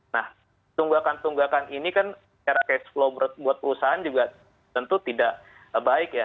nah tunggakan tunggakan ini kan secara cash flow buat perusahaan juga tentu tidak baik ya